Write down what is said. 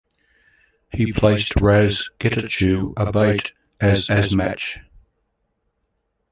He placed "Ras" Getachew Abate as "Asmach".